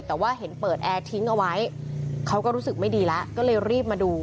แต่ว่าเห็นเปิดแอร์ทิ้งเอาไว้เขาก็รู้สึกไม่ดีแล้วก็เลยรีบมาดู